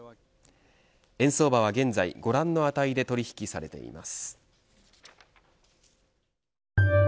円相場は現在ご覧の値で取引されています。